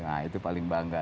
nah itu paling bangga